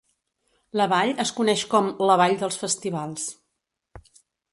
La vall es coneix com "la vall dels festivals".